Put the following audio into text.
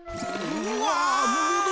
うわ！